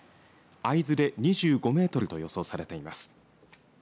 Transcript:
会津で２５メートルと予想されています。